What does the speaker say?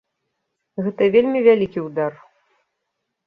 Гэта вельмі вялікі ўдар.